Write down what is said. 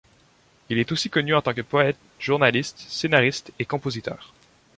Il est aussi connu en tant que poète, journaliste, scénariste et compositeur.